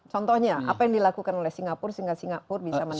contohnya apa yang dilakukan oleh singapura sehingga singapura bisa menang